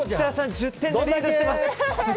１０点でリードしています。